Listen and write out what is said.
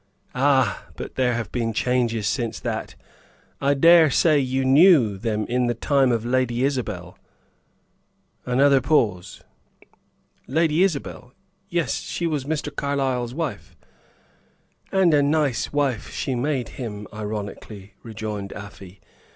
"Ah! But there have been changes since that. I dare say you knew them in the time of Lady Isabel?" Another pause. "Lady Isabel? Yes she was Mr. Carlyle's wife." "And a nice wife she made him!" ironically rejoined Afy.